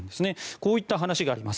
こういった話があります。